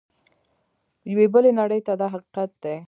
یوې بلې نړۍ ته دا حقیقت دی.